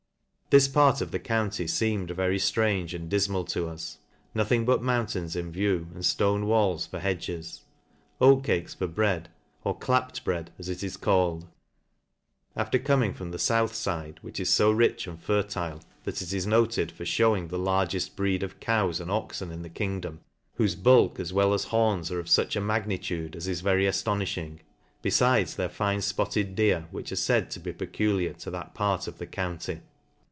This part of the county feemed very ftrange and difmal to us (nothing but mountains in view, and ftone walls for hedges; oat cakes for bread, or ciapt bread, as it is called) after coming from the fouth fide, which is fo rich and fertile, that it is noted for fhewing the largeft breed of cows and oxen in the kingdom, whofe bulk as well as horns are of fuch a magnitude as is very aflonifhing ; be fides their fine fpotted deer, which are faid to be pe culiar to that part of the county.